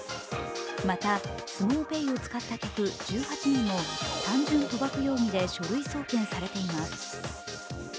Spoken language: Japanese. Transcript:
また、スモウペイを使った客１８人も単純賭博容疑で書類送検されています。